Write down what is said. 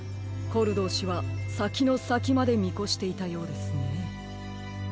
コルドー氏はさきのさきまでみこしていたようですね。